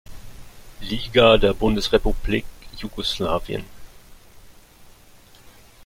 Liga der Bundesrepublik Jugoslawien.